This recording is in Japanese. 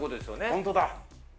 本当だ。